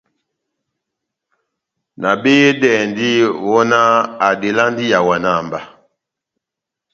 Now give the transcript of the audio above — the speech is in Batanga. Nabehedɛndi, wɔhɔnáh adelandi ihawana mba.